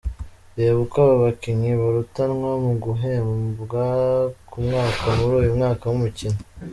Reba uko aba bakinnyi barutanwa mu guhembwa ku mwaka, muri uyu mwaka w’imikino.